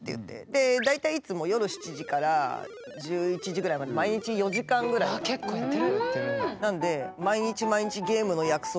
で大体いつも夜７時から１１時ぐらいまで毎日４時間ぐらい。わ結構やってる！